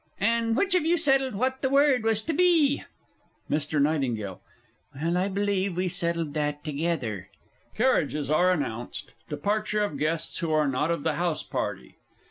And which of you settled what the Word was to be? MR. N. Well, I believe we settled that together. [_Carriages are announced; departure of guests who are not of the house party.